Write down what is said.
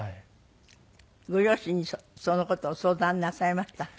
ご両親にその事を相談なさいました？